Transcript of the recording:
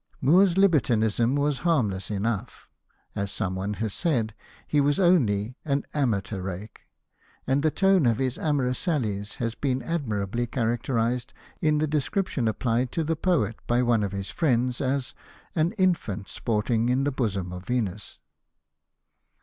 Moore's libertinism was harmless enough. As some one has said, he was " only an amateur rake "; and the tone of his amorous sallies has been admirably characterised in the de scription applied to the poet by one of his friends as " an infant sporting in the bosom of Venus."